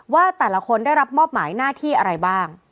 ว่าแต่ละคนได้รับมอบหมายหน้าที่อะไรบ้าง